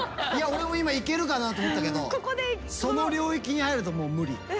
俺も今いけるかなと思ったけどその領域に入るともう無理。